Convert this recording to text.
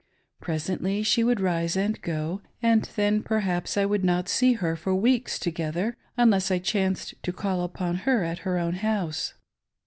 Presently she would rise and go, and then, per haps, I would not see her for weeks together, unless I chanced to call upon her at her own house.